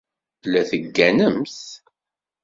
La tegganemt?